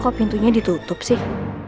kok pintunya ditutup sih